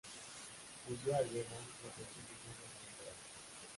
Huyó a Viena y ofreció sus bienes al emperador.